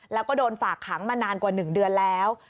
แล้วก็โดนฝากขังมานานกว่า๑เดือนแล้ว